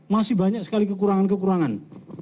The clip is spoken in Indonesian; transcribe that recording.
masih banyak sekali kekurangan kekurangan